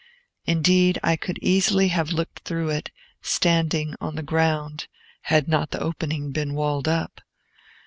Indeed, I could easily have looked through it, standing on the ground, had not the opening been walled up.